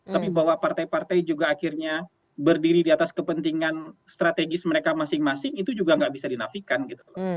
tapi bahwa partai partai juga akhirnya berdiri di atas kepentingan strategis mereka masing masing itu juga nggak bisa dinafikan gitu loh